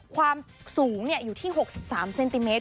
ความสูงอยู่ที่๖๓เซนติเมตร